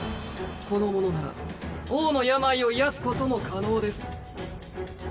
この者なら王の病を癒やすことも可能です。